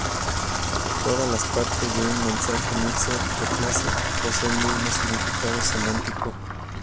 Todas las partes de un mensaje mixed-replace poseen el mismo significado semántico.